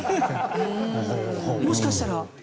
もしかしたら。